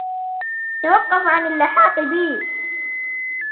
توقف عن اللحاق بي.